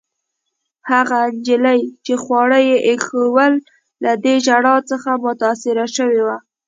هغې نجلۍ، چي خواړه يې ایښوول، له دې ژړا څخه متاثره شوې وه.